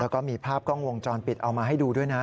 แล้วก็มีภาพกล้องวงจรปิดเอามาให้ดูด้วยนะ